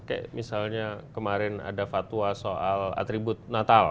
kayak misalnya kemarin ada fatwa soal atribut natal